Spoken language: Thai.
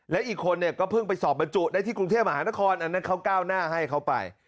และอีกคนเนี่ยก็เพิ่งไปสอบบรรจุได้ที่กรุงเทพมหานครอันนั้นเขาก้าวหน้าให้เขาไป